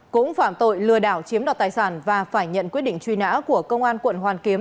cũng phạm tội lừa đảo chiếm đoạt tài sản và phải nhận quyết định truy nã của công an quận hoàn kiếm